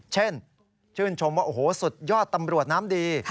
เช่นชื่นชมว่าโอ้โหสุดยอดตำรวจน้ำดี